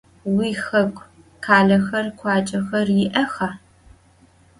Vuixeku khalexer, khuacexer yi'exa?